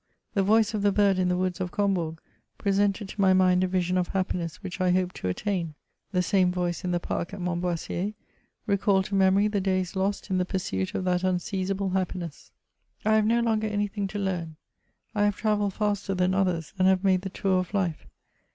The voice of the bird in the woods of Combourg, presented to my mind a vision of happiness which I hoped to attain ; the same voice in the park at Montboissier, recalled to memory the days lost in the pursuit of that unseizable happiness. I have no longer any thing to learn ; I have travelled faster than others, and have made the tour of life.